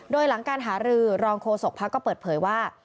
โดยหลังการหารือรองโฆษกภักดิก็เปิดเผยว่า